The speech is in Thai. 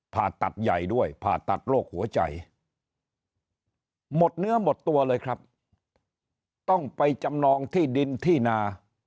ผ่าตัดใหญ่ด้วยผ่าตัดโรคหัวใจหมดเนื้อหมดตัวเลยครับต้องไปจำนองที่ดินที่นา